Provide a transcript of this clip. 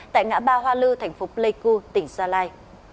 tại ngã ba hoa lư thành phố pleiku tỉnh gia lai